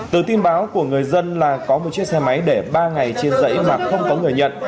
từ tin báo của người dân là có một chiếc xe máy để ba ngày trên dãy mà không có người nhận